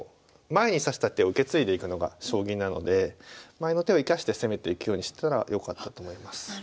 前に指した手を受け継いでいくのが将棋なので前の手を生かして攻めていくようにしたらよかったと思います。